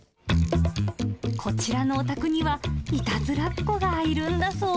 こちらのお宅には、いたずらっ子がいるんだそう。